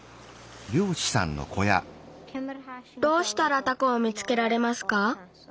どうしたらタコを見つけられますか？